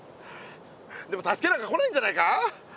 でも助けなんか来ないんじゃないか！